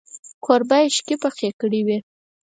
کوربه اشکې پخې کړې وې.